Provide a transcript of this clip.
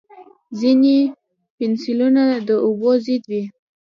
ځینې پنسلونه د اوبو ضد وي.